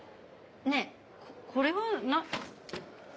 ねえこれはな。